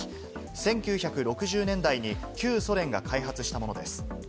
１９６０年代に旧ソ連が開発したもの。